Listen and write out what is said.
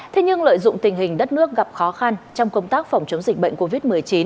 thế nhưng lợi dụng tình hình đất nước gặp khó khăn trong công tác phòng chống dịch bệnh covid một mươi chín